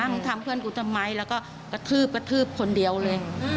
มึงทำเพื่อนกูทำไมแล้วก็กระทืบกระทืบคนเดียวเลย